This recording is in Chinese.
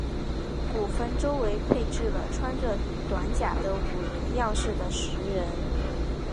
古坟周围配置了穿着短甲的武人样式的石人。